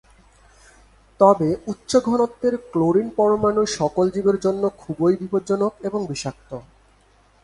তবে উচ্চ ঘনত্বের ক্লোরিন পরমাণু সকল জীবের জন্য খুবই বিপদজনক এবং বিষাক্ত।